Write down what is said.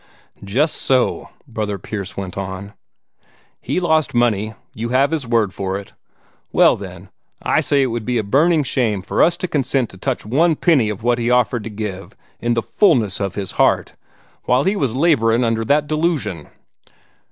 "Just so," Brother Pierce went on. "He lost money. You have his own word for it. Well, then, I say it would be a burning shame for us to consent to touch one penny of what he offered to give, in the fullness of his heart, while he was laborin' under that delusion.